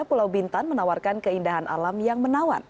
pulau bintan menawarkan keindahan alam yang menawan